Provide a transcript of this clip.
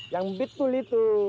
yang betul itu